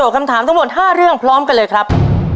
คำถามทั้งหมด๕เรื่องพร้อมกันเลยครับ